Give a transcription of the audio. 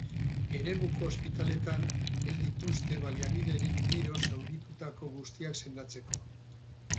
Eremuko ospitaletan ez dituzte baliabiderik tiroz zauritutako guztiak sendatzeko.